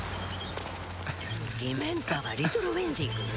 ディメンターがリトル・ウィンジングに？